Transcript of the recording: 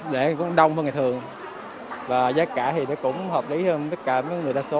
lễ cũng đông hơn ngày thường và giá cả thì cũng hợp lý hơn tất cả mọi người đa số